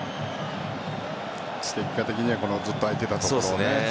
結果的には空いていたところを。